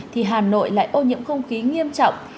thì hà nội lại ô nhiễm không khí nghiêm trọng